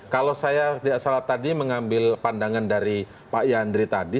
kalau saya tidak salah tadi mengambil pandangan dari pak yandri tadi